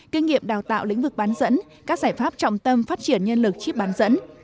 kinh nghiệm đào tạo lĩnh vực bán dẫn các giải pháp trọng tâm phát triển nhân lực chiếc bán dẫn